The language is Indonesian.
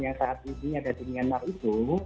yang saat ini ada di myanmar itu